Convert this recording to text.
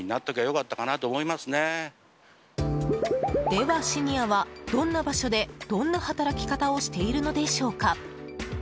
では、シニアはどんな場所でどんな働き方をしているのでしょうか？